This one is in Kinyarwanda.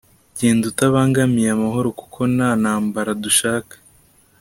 Genda utabangamiye amahoro kuko nta ntambara dushaka